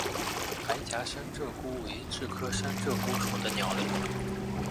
白颊山鹧鸪为雉科山鹧鸪属的鸟类。